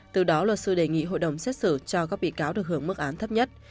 từ đó luật sư đề nghị hội đồng xét xử cho các bị cáo được hưởng mức án thấp nhất